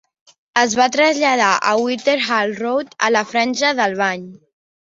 Es va traslladar a Whitehall Road a la franja de Albany.